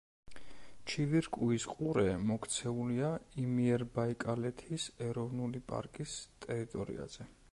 ჩივირკუის ყურე მოქცეულია იმიერბაიკალეთის ეროვნული პარკის ტერიტორიაზე.